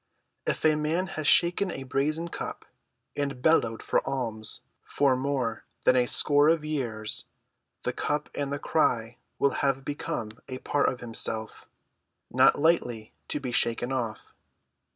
If a man has shaken a brazen cup and bellowed for alms for more than a score of years, the cup and the cry will have become a part of himself, not lightly to be shaken off.